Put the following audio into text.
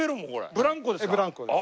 ブランコです。